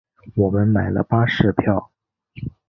我们买了巴士票